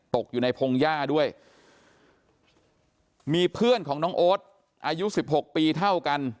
ตกอยู่ในพงหญ้าด้วยมีเพื่อนของน้องโอ๊ตอายุสิบหกปีเท่ากัน